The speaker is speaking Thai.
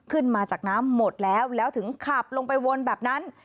ขึ้นมาจากน้ำหมดแล้วแล้วถึงขับลงไปวนแบบนั้น